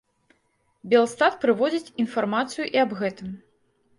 Белстат прыводзіць інфармацыю і аб гэтым.